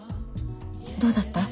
どうだった？